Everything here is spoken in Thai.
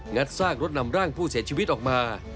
ัดซากรถนำร่างผู้เสียชีวิตออกมา